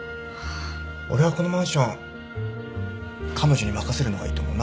俺はこのマンション彼女に任せるのがいいと思うな